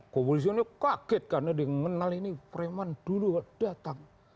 komisaris kaget karena dikenal ini preman dulu datang